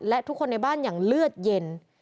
และทุกคนในบ้านอย่างเลือดเย็น